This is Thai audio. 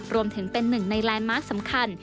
รวมถึงเป็นหนึ่งในไลน์มาร์คสำคัญ